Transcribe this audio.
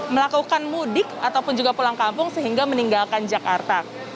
melakukan mudik ataupun juga pulang kampung sehingga meninggalkan jakarta